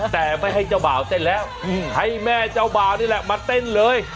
แต่ไม่ให้เจ้าบ่าวเต้นแล้วให้แม่เจ้าบ่าวนี่แหละมาเต้นเลย